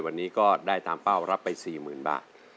วันนี้ก็ได้ตามเป้ารับไป๔๐๐๐บาท